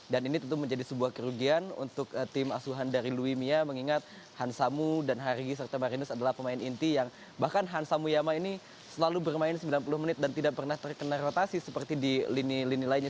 dan ini tentu menjadi sebuah kerugian untuk tim asuhan dari luwimia mengingat hansa mu dan hargianto dan marinus adalah pemain inti yang bahkan hansa muyama ini selalu bermain sembilan puluh menit dan tidak pernah terkena rotasi seperti di lini lini lainnya